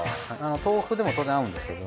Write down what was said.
豆腐でも当然合うんですけど。